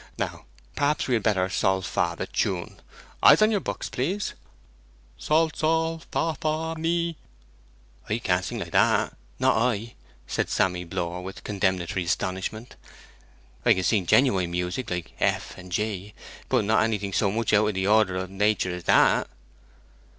Now, perhaps we had better sol fa the tune. Eyes on your books, please. Sol sol! fa fa! mi ' 'I can't sing like that, not I!' said Sammy Blore, with condemnatory astonishment. 'I can sing genuine music, like F and G; but not anything so much out of the order of nater as that.'